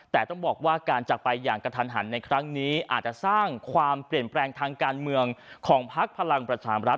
แต่ต้องบอกว่าการจักรไปอย่างกระทันหันในครั้งนี้อาจจะสร้างความเปลี่ยนแปลงทางการเมืองของพักพลังประชามรัฐ